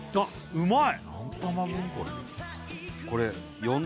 うまい！